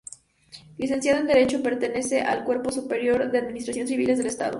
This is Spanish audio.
Licenciado en Derecho, pertenece al Cuerpo Superior de Administradores Civiles del Estado.